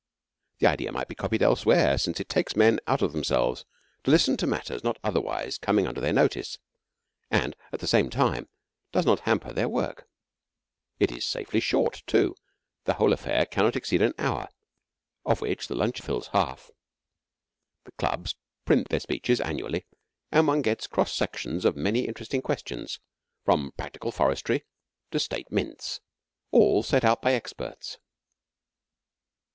The idea might be copied elsewhere, since it takes men out of themselves to listen to matters not otherwise coming under their notice and, at the same time, does not hamper their work. It is safely short, too. The whole affair cannot exceed an hour, of which the lunch fills half. The Clubs print their speeches annually, and one gets cross sections of many interesting questions from practical forestry to State mints all set out by experts.